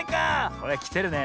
これきてるね。